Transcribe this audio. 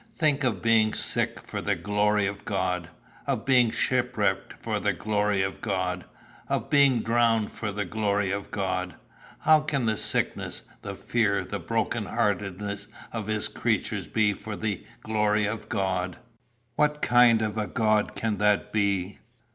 Think of being sick for the glory of God! of being shipwrecked for the glory of God! of being drowned for the glory of God! How can the sickness, the fear, the broken heartedness of his creatures be for the glory of God? What kind of a God can that be?